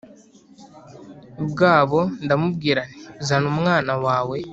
bwaho ndamubwira nti Zana umwana wawe